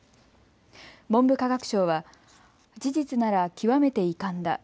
文部科学省は事実なら極めて遺憾だ。